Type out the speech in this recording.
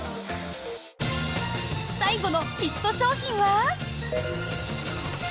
最後のヒット商品は。